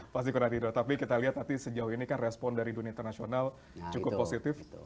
pasti kurang tidur tapi kita lihat nanti sejauh ini kan respon dari dunia internasional cukup positif